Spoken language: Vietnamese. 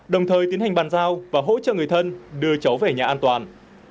đồng thời tiến hành bàn giao và hỗ trợ người thân đưa cháu về nhà an toàn